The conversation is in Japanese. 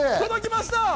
届きました。